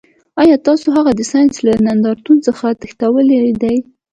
ایا تاسو هغه د ساینس له نندارتون څخه تښتولی دی